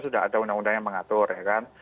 sudah ada undang undang yang mengatur ya kan